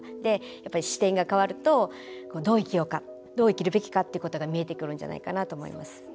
やっぱり視点が変わるとどう生きようかどう生きるべきかっていうことが見えてくるんじゃないかなと思います。